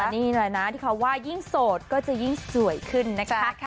นี่แหละนะที่เขาว่ายิ่งโสดก็จะยิ่งสวยขึ้นนะคะ